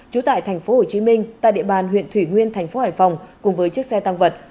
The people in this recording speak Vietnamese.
trú tại tp hcm tại địa bàn huyện thủy nguyên tp hải phòng cùng với chiếc xe tăng vật